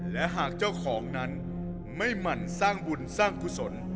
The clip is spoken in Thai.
และหากเจ้าของนั้นไม่หมั่นสร้างบุญสร้างกุศล